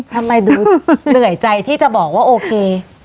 ทำไมดูเหนื่อยใจที่จะบอกว่าโอเค